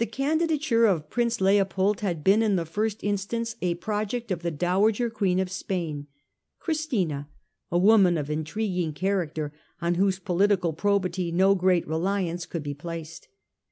xnu didature of Prince Leopold had been in the first instance a project of the Dowager Queen of Spain, Christina, a woman of intriguing character, on whose political probity no great reliance could be placed.